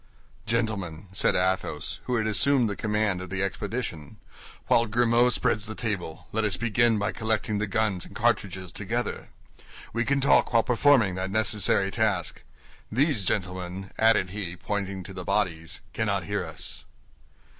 "Gentlemen," said Athos, who had assumed the command of the expedition, "while Grimaud spreads the table, let us begin by collecting the guns and cartridges together. We can talk while performing that necessary task. These gentlemen," added he, pointing to the bodies, "cannot hear us."